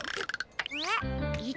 えっ？